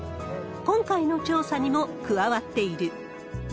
今回の調査にも加わっている。